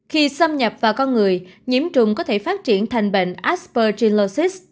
khi xâm nhập vào con người nhiễm trùng có thể phát triển thành bệnh aspergillosis